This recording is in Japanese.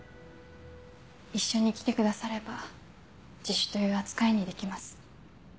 一緒に来てくだされば自首という扱いにできます。